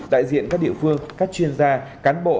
đại diện các địa phương các chuyên gia cán bộ